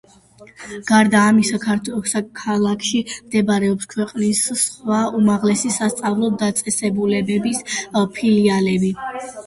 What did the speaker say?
გარდა ამისა, ქალაქში მდებარეობს ქვეყნის სხვა უმაღლესი სასწავლო დაწესებულებების ფილიალები.